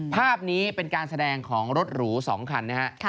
ภาพนี้เป็นการแสดงของรถหรู๒คันนะฮะ